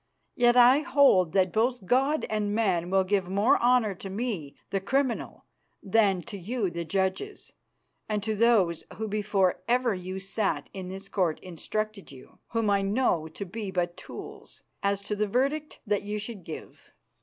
Yet I hold that both God and man will give more honour to me the criminal than to you the judges, and to those who before ever you sat in this Court instructed you, whom I know to be but tools, as to the verdict that you should give."